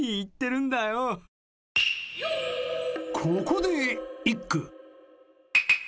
［ここで一句］